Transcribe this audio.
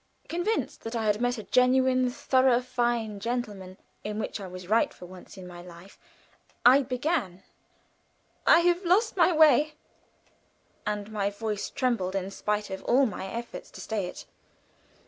Convinced that I had met a genuine, thorough fine gentleman (in which I was right for once in my life), I began: "I have lost my way," and my voice trembled in spite of all my efforts to steady it.